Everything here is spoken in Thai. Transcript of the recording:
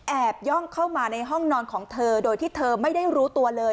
ย่องเข้ามาในห้องนอนของเธอโดยที่เธอไม่ได้รู้ตัวเลย